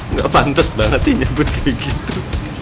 nggak pantas banget sih nyebut kayak gitu